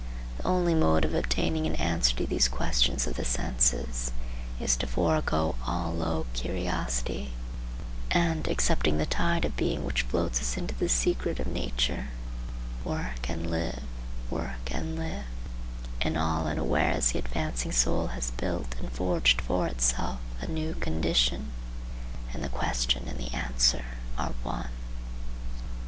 The only mode of obtaining an answer to these questions of the senses is to forego all low curiosity, and, accepting the tide of being which floats us into the secret of nature, work and live, work and live, and all unawares the advancing soul has built and forged for itself a new condition, and the question and the answer are one.